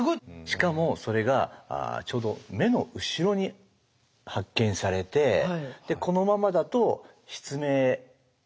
しかもそれがちょうど目の後ろに発見されてこのままだと失明のおそれもあるし。